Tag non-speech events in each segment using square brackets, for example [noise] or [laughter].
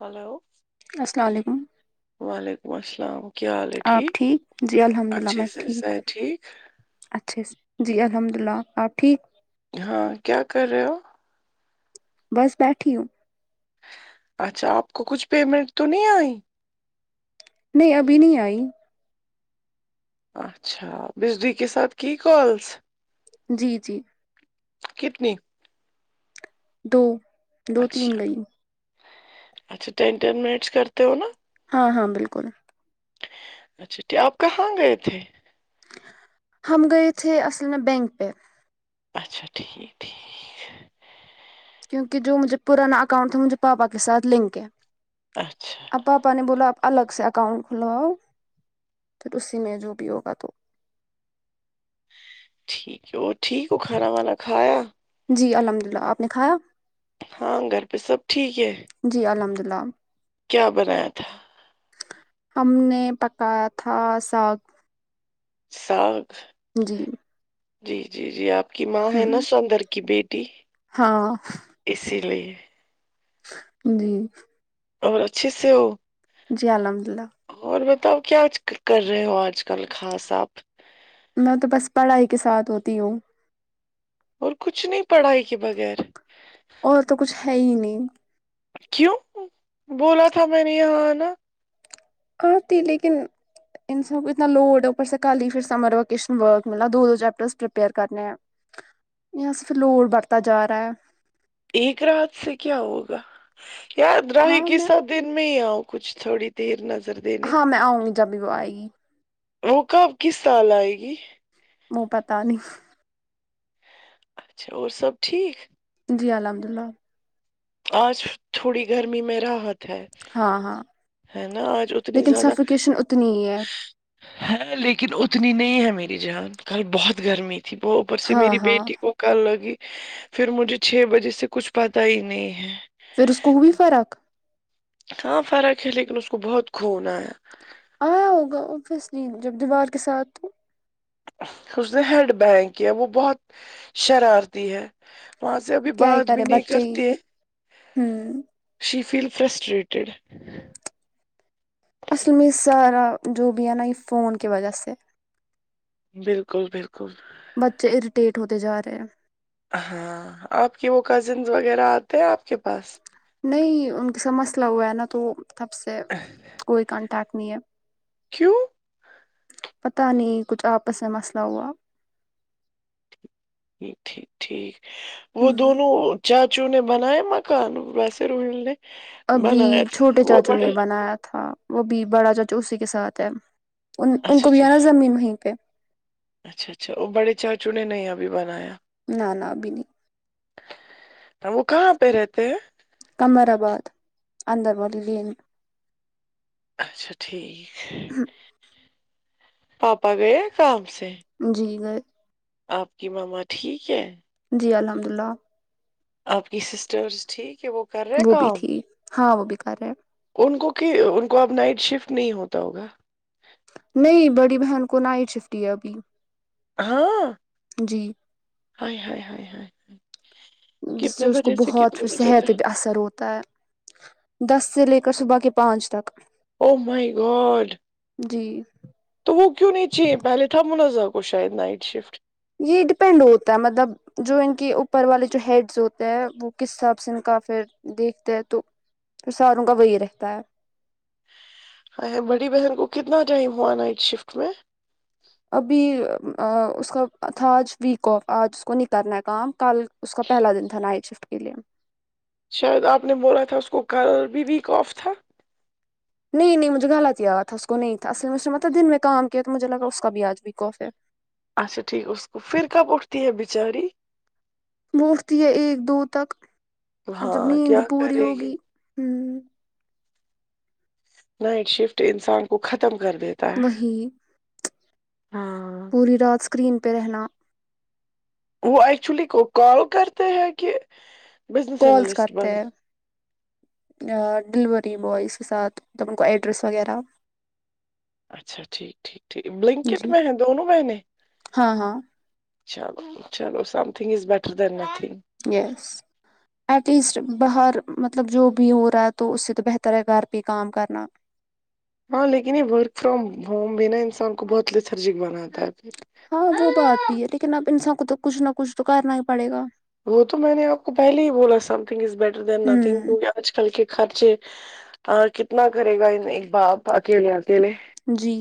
Hello السلام علیکم وعلیکم السلام کیا حال ہے آپ ٹھیک جی الحمد للہ اچھا میں سے صحت ٹھیک اچھے سے جی الحمد اللہ آپ ٹھیک ہاں کیا کر رہے ہو بس بیٹھی ہوں اچھا آپ کو کچھ پیمنٹ تو نہیں آئی نہیں ابھی نہیں آئی اچھا بجری کے ساتھ کی کالس جی جی کتنی دو دو تین اچھا گئیں اچھا ٹین ٹین منٹس کرتے ہو نا ہاں ہاں بالکل اچھا آپ کہاں گئے تھے ہم گی تھے اصل میں بینک پ اچھا ٹھیک ٹھیک کیونکہ جو مجھے پرانا اکاؤنٹ تھا مجھے پاپا کے ساتھ لنک ہے اچھا اب پاپا نے بولا الگ سے اکاؤنٹ کھلاؤ پھر اسی میں جو بھی ہوگا تو ٹھیک ہے اور ٹھیک ہو کھانا وانا کھایا جی الحمد للہ آپ نے کھایا ہاں گھر پہ سب ٹھیک ہے جی الحمد للہ کیا بنایا تھا ہم نے پکایا تھا ساگ ساگ جی جی جی جی آپ کی ماں ہ ہے نا سندر کی بیٹی ہاں اسی لیے جی اور اچھی سی ہو جی الحمد للہ اور بتاؤ کیا آج کر رہے ہو آج کل خاص آپ میں تو بس پڑھائی کے ساتھ ہوتی ہوں اور کچھ نہیں پڑھائی کے بغیر اور تو کچھ ہے ہی نہیں کیوں بولا تھا میں نے یہاں آنا آ تی لیکن ان سب اتنا لوڈ ہے اوپ سے کہی سمر وکشن ورک ملا دو دو چیپٹر پرپئر کرنے ہیں یہ سے پھر لڑ برتا جا رہا ہے ایک رات سے کیا ہوگا یاد رہاہ ہاں کی میں سب دن میں ہی آؤ کچ تھوڑی دیر نظر دینے ہاں میں آؤں گی جب بھی وہ آئے گی روک اب کس سال آئے گی وہ پتاہ نہیں اچھا اور سب ٹھیک جی الحمد للہ آج تھوڑی گرمی میں راحت ہے ہاں ہاں ہے نا آج اتنی لیکن زیادہ سفیکیشن اتنی ہی ہے ہے لیکن اتنی نہیں ہے میری جان کل بہت گرمی تھی تھی وہ اوپر سے ہاں میری ہاں بیٹی کو کر لگی پھر مجھے چھ بجے سے کچھ پتا ہی نہیں ہے ہا پھر اس کو بھی فرق ہاں فرق ہے لیکن ا اس کو بہت خون آیا آیا ہوگا اوبویسلی جب دیوار کے ساتھ تو اس نے ہیڈ بگ کیا وہ بہت شرارتی ہے وہاں سے ابھی کیا ہی بات بھی کرے نہیں بچے ہی کرتے ہوں شی فیل فرسٹریٹیڈ اصل میں سارا جو بھی ہے نا یہ فون کی وجہ سے بالکل بالکل بچے اریٹیٹ ہوتے جا رہے ہیں ہاں آپ کے وہ کزن وغیرہ آتے ہیں آپ کے پاس نہیں ان کے سا مسئلہ ہوا ہے نا تو تب سے کوئی کانٹیکٹ نہیں ہے کیوں پتا نہیں کچھ آپس میں مسئلہ ہوا ٹھیک ٹھیک وہ دونوں چاچو نے بناائے مکان ویسے روہل نے ابھی بنایا تھا چھوٹے وہ چاچو بڑے نے بنایا تھا وہ بھی بڑا جو جو اسی کے ساتھ ہے ان ان کو اچھا بھی جی ہے نا زمین وہیں پہ اچھا اچھا اور بڑے چاچو نے نہیں ابھی بنایا نہ نہ ابے نہیں ہم وہ کہاں پہ رہتے ہیں قمر آباد اندر والی لین اچھا ٹھیک میں۔ پاپا گیا کم جی گے آپ کی ماما ٹھیک ہے جی الحمد اللہ آپ کی سسٹرز ٹھیک ہے وہ کر رہے وہ بھی کام ٹھییک ہاں وہ بھی کر رہے ان کو کہ ان کو اب نائٹ شفٹ نہیں ہوتا ہوگا نہیں بڑی بہن کو نائٹ شفٹ ہی ابھی ہاں جی ہ ہ ہ جس سے اس کو بہت پھر صحت پہ بھی اثر ہوتا ہے دس سے لے کر صبح کے پانچ تک او مائی گاڈ جی تو وہ کیوں نہیں چاہے پہلے تھا منزا کو شاید نائٹ شفٹ یہ ڈیپینڈ ہوتا ہے مطلب جو ان کے اوپر والے جو ہیڈز ہوتے ہیں وہ کس حساب سے ان کا پھر دیکھتے ہے تو سالوں کا وہی رہتا ہے ہاں بڑی بہن کو کتنا ٹائم ہوا نائٹ شفٹ میں ابھی اس کا تھا آج ویک آف آج اس کو نہیں کرنا ہے کام کل اس کا پہلا دن تھا نائٹ شفٹ کے لیے شاید آپ نے بولا تھا اس کو کل بھی ویک آف تھا نہیں نہیں مجھے غلط یاد تھا اس کو نہیں تھا اص میں اس نے مطلب دن میں کام کیا تو مجھے لگا اس کا بھی آج بھی ویک کوف ہے اچھا ٹھیک ہے اس کو پھر کب اٹھتی ہے بچاری وہ اٹھتی ہے ایک دو تک اب جب ہاں نیند کیا پوری کرے گی ہوگی ہوں نائٹ شفٹ انسان کو ختم کر دیتا ہے وہی ہاں پوری رات اسکرین پہ رہنا وہ ایکچولی کو کال کرتے ہیں کہ بزنس انالسٹ بن ڈلوری بوز کے ساتھ مطلب ان کو ایڈریس وغیرہ اچھا ٹھیک ٹھیک ٹھیک بلنکٹ جی میں ہیں دونوں بہنیں ہاں ہاں چلو چلو something is better than nothing yes at least باہر مطلب جو بھی ہو رہا ہے تو اس سے تو بہتر ہے گھر پہ کام کرنا ہاں لیکن یہ ورک فرام ہوم بھی نا انسان کو بہت لسرجک بناتا ہے پھر ہاں وہ بات بھی ہے لیکن اب انسان کو تو کچھ نہ کچھ تو کرنا ہی پڑے گا وہ تو میں نے آپ کو پہلے ہی بولا something is better than nothing ہوں کیا آج کل کے خرچے کتنا کرے گا ایک باپ اکیلے اکیلے جی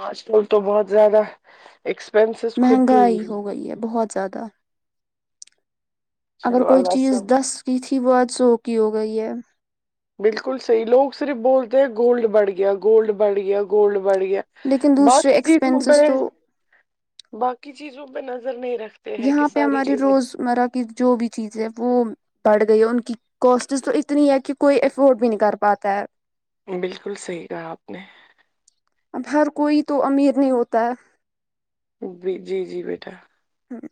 ہاسٹل تو بہت زیادہ ایکسپینس مہنگائی ہو گئی ہے بہت زیادہ اگر چلو کوئی اللہ چیز سب دس کی تھی وہ آج سو کیی ہو گئی ہے بالکل صحیح لوگ صرف بولتے ہیں گولڈ بڑھ گیا گولڈ بڑھ گیا گولڈ بڑھ گیا لیکن دوسرے باقی چیزوں ایکسپینسز پہ تو باقی چیزوں پہ نظر نہیں رکھتے ہیں کہ یہاں پہ ساری ہماری چیزیں روزمرہ کی جو بھی چیزیں وہ بڑھ گئی ہے ان کی کوسٹس تو اتنی ہے کہ کوئی افورڈ بھی نہیں کر پاتا ہے بالکل صحیح کہا آپ نے اب ہر کوئی تو امیر نہیں ہوتا ہے جی جی بیٹا ہاں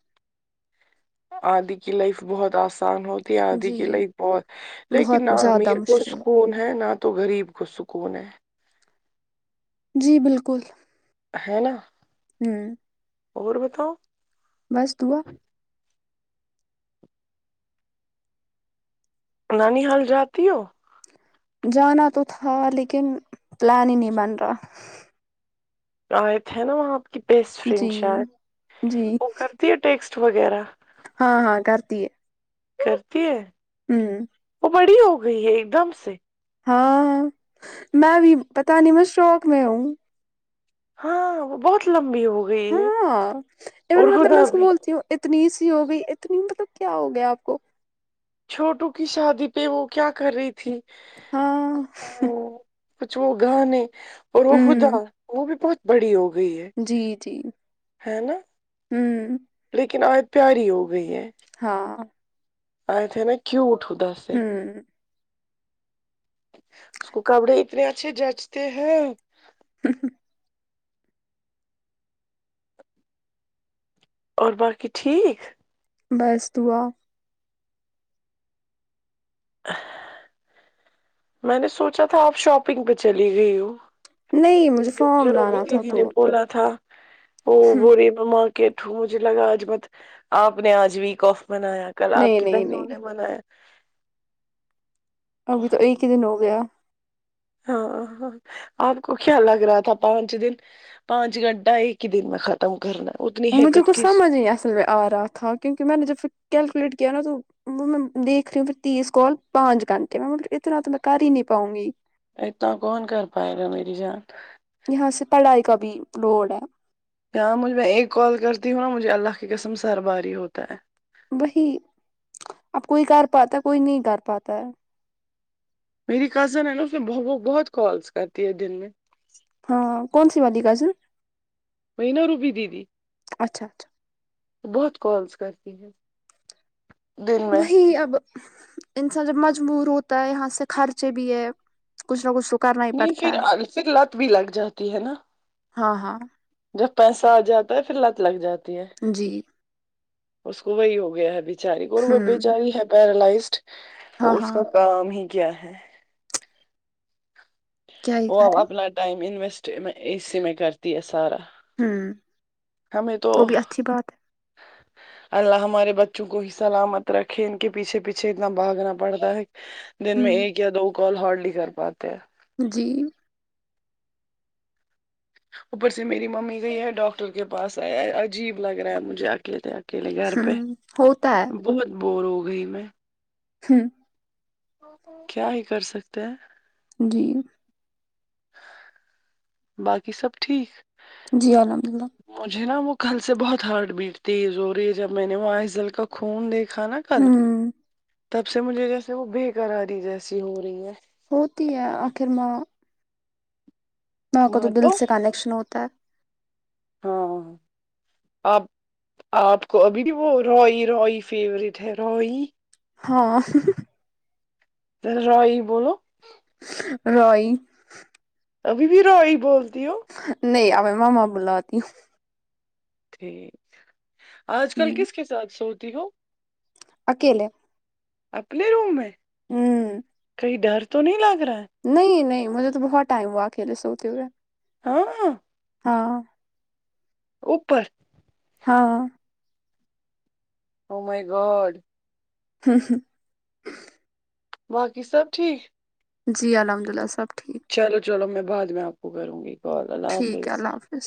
آدی کی لائف بہت آسان ہوتی آدی جی کے لے بہت لیکن بہت نہ زیادہ امیر کو مشکل سکون ہے نہ تو غریب پر سکون ہے جی بالکل ہے نا ہمم اور بتاؤ بس دعا نانی حال جاتی ہو جانا تو تھا لیکن پلان ہی نہیں بن رہا آئے تھے نا وہاں آپ بستفرینڈ جی شاید جی وہ کرتی ہے ٹیکسٹ وغیرہ ہاں ہاں کرتی کرتی ہے ہوں وہ بڑی ہوگئی ہے ایک دم سے ہاں ہاں میں ابھی پتا نہیں شاک میں ہوں ہاں وہ بہت لمبی ہوگئی ہاںں کے مطلب میں اس کو بھی بولتی ہوں اتنی سی ہو گئی اتنی مطلب کیا ہو گیا آپ کو چھوٹوکی شادی پہ وہ کیا کر رہی تھی ہاں وہ کچھ وہ گانے اور وہ خدا ہوں وہ بھی بہت بڑی ہوگئی ہے جی جی ہےنا ہوں لیکن آج پیاری ہو گئی ہے ہاں آے تھے نا کیوٹ ہوتا ہے ہمم اس کو کپڑے اتنے اچھے جچتے ہیں ہھم اور باقی ٹھیک بس دعا [unintelligible] میں نے سوچا تھا آپ شاپنگ پہ چلی گئی ہو نہیں مجھے کیک فارم روب لانا د تھا جی نے تو بولا تھا وہ بے [unintelligible] میں مارکٹ مجھے لگا آج مت آپ نے آج ویک افف بنایا کل آپ نہیں کی نہیں بہنوں نہیں نے بنایا ابھی تو ایک ہی دن ہو گیا ہاں ہاں آپ کو کیا لگ رہا تھا پانچ دن پانچ گھنٹہ ایک ہی دن میں ختم کرنا اتنی ہے کت کی کس جی اصل میں آرہا تھا کیونکہ میں نے جب پھر کیلکولیٹ کیا نا تو وہ ووہ میں دیکھ رہی تھی پھر تیس کال پانچ گنٹھےپھر میں اتنا تو میں کر ہی نہیں پاؤں گی اتنا کون کر پائے گا میری جان یہاں سے پڑھائی کا بھی روڈ ہے یہاں مجھ میں ایک کال کرتی ہوں نا مجھے اللہ کی قسم سر باری ہوتا ہے وہی اب کوئی کر پاتا ہے کوئی نہیں کر پاتا ہے میری کزن ہے نا وہ وو اسے بہت کالس کرتی ہے دن میں ہاں کون سی والی کزن وہی نا روبی دیدی اچھا اچھا بہت کالس کرتی ہیں وہی اب انسان جب مجبور ہوتا ہے یہاں سے خرچے بھی ہے کچ نہ کچ سکنا [unintelligible] نہیں پھر پھر لت بھی لگ جاتی ہے نا ہاں ہاں جب پیسہ آ جاتا ہے پھر لت لگ جاتی ہے جی اس کو وہی ہو گیا ہے بچاری کو اور وہ ہوں بچاری ہے پیرالائزڈ ہاں وہ اس کا ہاں کام ہی کیا ہے کیا ہی وہ کرے اب اپنا ٹائم انویسٹ اسی میں کرتی ہے سارا ہوں ہمیں تو وہ بھی اچھی بات اللہ ہمارے بچوں کو ہی سلامت رکھے ان کے پیچھے پیچھے اتنا بھاگنا پڑتا ہے ہے دن میں ایک ہ یا دو کال ہارڈلی کر پاتے ہیں جی اوپر سے میری ممی گئی ہے ڈاکٹر کے پاس آیا ہے عجیب لگ رہا ہے مجھے اکیلے اکیلے گھر پہ ہوں ہوتا ہے بہت بور ہو گئی میں ہوں کیا ہی کر سکتے ہیں جی باقی سب ٹھیک جی الحمد اللہ مجھے نا وہ کل سے بہت ہارٹ بیٹ تزوری ہے جب میں نے وہ آئس دل کا خون دیکھا نا کل ہوں تب سے مجھے جیسے وہ بےیکراری جیسی ہو رہی ہے ہوتی ہے آخر میں نہ کو تو دل سے کنیکشن ہوتا ہے ہاں آپ آپ کو ابھی وہ روئی روئی فیوروریٹ ہے روئی ہاں رائی بولو را ئی اب بھی روئی بولتی ہو نہیں مماں بولااتتی ٹھیک آج کل ہوں کس کے ساتھ سوتی ہو اکیلے اپنے روم ہے ہوں ڈر تو نہیں لگ رہا ہے نہیں نہیں مجھے تو بہت ٹائم ہوا اکیلے سوتے ہوئے ہاں ہاں اوپر ہاں مائی گوٹ ہوں ہوں باقی سب ٹھیک جی الحمد اللہ سب ٹھیک چلو چلو میں بعد میں آپ کو کروں گی کال اللہ ٹھیک ہے حافظ اللہ حافظ